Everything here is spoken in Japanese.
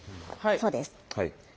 そうです。